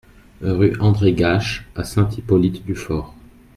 Rue André Gaches à Saint-Hippolyte-du-Fort